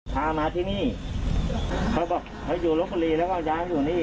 พามาที่นี่เขาบอกเขาอยู่ลบบุรีแล้วก็ย้ายอยู่นี่